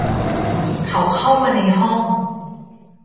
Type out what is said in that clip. เขาเข้ามาในห้อง